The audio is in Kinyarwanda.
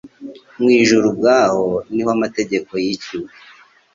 Mu ijuru ubwaho ni ho amategeko yiciwe.